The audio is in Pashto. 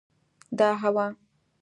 دا هوا